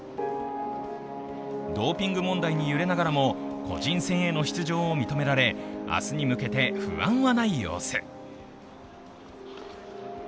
ドーピング問題に揺れながらも個人戦出場を認められ明日に向けて、不安をない様子。